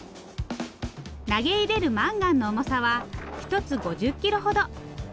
投げ入れるマンガンの重さは１つ５０キロほど。